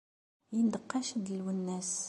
Yendeqqac-d Lwennas.